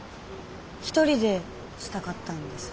一人でしたかったんです。